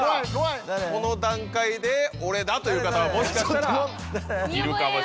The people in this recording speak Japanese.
この段階で俺だという方がもしかしたらいるかもしれません。